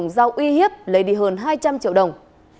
giao uy hiếp lấy đi hơn hai trăm linh triệu đồng